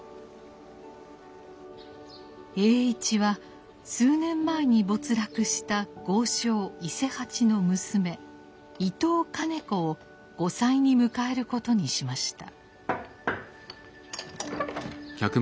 栄一は数年前に没落した豪商伊勢八の娘伊藤兼子を後妻に迎えることにしました。